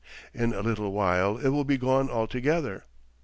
In a little while it will be gone altogether.